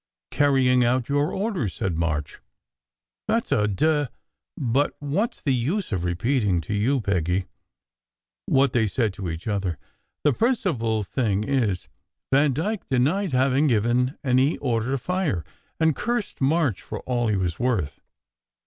* Carry ing out your orders/ said March. That s a da but what s the use of repeating to you, Peggy, what they said to each other? The principal thing is, Vandyke denied having given any order to fire, and cursed March for all he was worth.